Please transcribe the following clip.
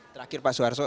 terakhir pak soeharto